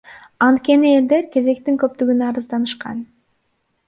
Анткени элдер кезектин көптүгүнө арызданышкан.